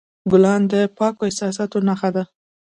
ګلان د پاکو احساساتو نښه ده.